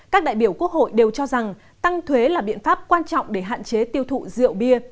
các đại biểu quốc hội đều cho rằng tăng thuế là biện pháp quan trọng để hạn chế tiêu thụ rượu bia